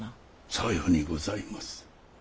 さようにございます。